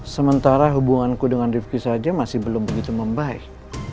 sementara hubunganku dengan rifki saja masih belum begitu membaik